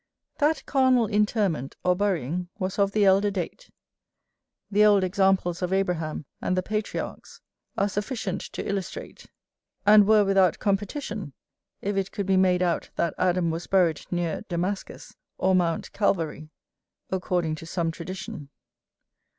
That carnal interment or burying was of the elder date, the old examples of Abraham and the patriarchs are sufficient to illustrate; and were without competition, if it could be made out that Adam was buried near Damascus, or Mount Calvary, according to some tradition.